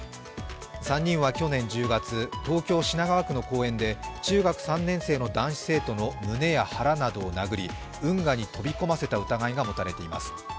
３人は去年１０月東京・品川区の公園で中学３年生の男子生徒の胸や腹などを殴り運河に飛び込ませた疑いが持たれています。